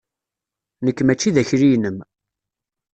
Nekk mačči d akli-inem.